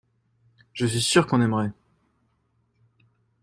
je suis sûr qu'on aimerait.